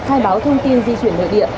khai báo thông tin di chuyển nội địa